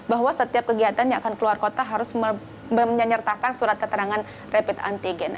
bahwa setiap kegiatan yang akan keluar kota harus menyertakan surat keterangan rapid antigen